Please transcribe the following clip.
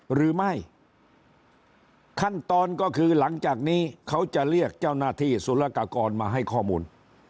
หรือไม่ขั้นตอนก็คือหลังจากนี้เขาจะเรียกเจ้าหน้าที่สุรกากรมาให้ข้อมูล